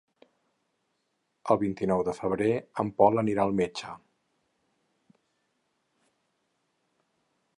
El vint-i-nou de febrer en Pol anirà al metge.